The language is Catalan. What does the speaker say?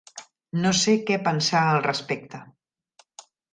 No sé què pensar al respecte.